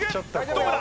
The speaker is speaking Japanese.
どうだ？